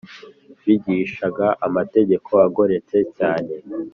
bigishaga amateka agoretse cyane